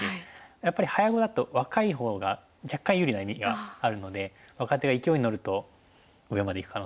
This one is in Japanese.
やっぱり早碁だと若いほうが若干有利な意味があるので若手が勢いに乗ると上までいく可能性あるんで。